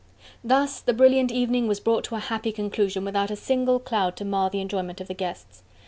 Thus the brilliant evening was brought to a happy conclusion without a single cloud to mar the enjoyment of the guests.